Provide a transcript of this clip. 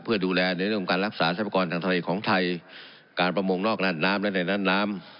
เพื่อดูแลในโรงการรักษาใช้ประกอบทางทะเลของไทยการประมงนอกหน้าน้ำและในน้ำน้ำน้ำ